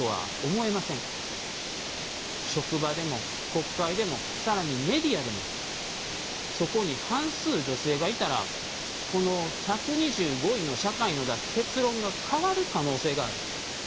職場でも国会でも更にメディアでもそこに半数女性がいたらこの１２５位の社会の出す結論が変わる可能性がある。